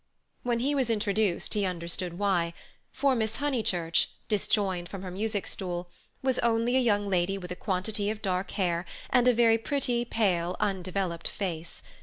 When he was introduced he understood why, for Miss Honeychurch, disjoined from her music stool, was only a young lady with a quantity of dark hair and a very pretty, pale, undeveloped face.